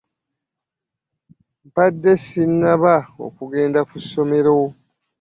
Mpade sinaba okugenda Ku somero.